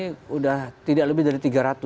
sudah tidak lebih dari tiga ratus